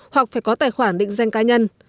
hoặc phải có tài khoản định danh cá nhân